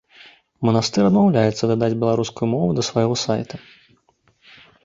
Манастыр адмаўляецца дадаць беларускую мову да свайго сайта.